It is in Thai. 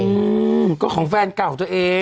อืมก็ของแฟนเก่าตัวเอง